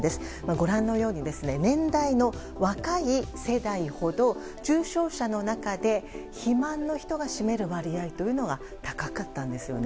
ご覧のように年代の若い世代ほど重症者の中で肥満の人が占める割合が高かったんですよね。